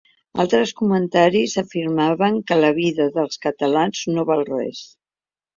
Altres comentaris afirmaven que la vida dels catalans no val res.